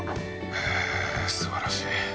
へぇすばらしい。